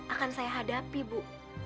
akan saya hadapi bu